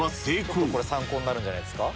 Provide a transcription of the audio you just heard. これ参考になるんじゃないですか？